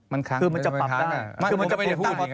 มันค้างคือมันจะปรับได้